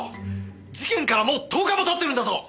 事件からもう１０日も経ってるんだぞ！